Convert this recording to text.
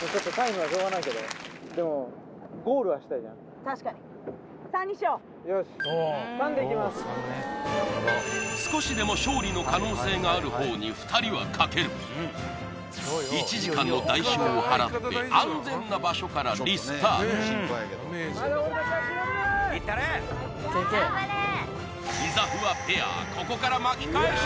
でも確かによし少しでも勝利の可能性がある方に２人はかける１時間の代償を払って安全な場所からリスタートまだ俺たち諦めなーいよっしゃー